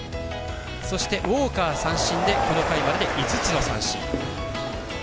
そして、ウォーカー三振でこの回まで５つの三振。